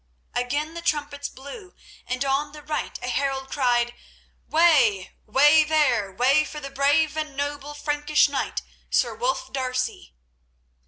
Again the trumpets blew, and on the right a herald cried, "Way! Way there! Way for the brave and noble Frankish knight, Sir Wulf D'Arcy!"